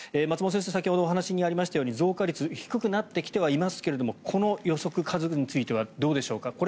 松本先生先ほどお話にありましたように増加率低くなってきてはいますがこの予測、数についてはどうでしょうか。